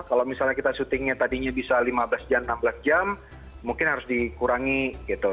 kalau misalnya kita syutingnya tadinya bisa lima belas jam enam belas jam mungkin harus dikurangi gitu